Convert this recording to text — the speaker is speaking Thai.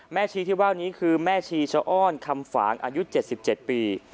ชีที่ว่านี้คือแม่ชีชะอ้อนคำฝางอายุ๗๗ปี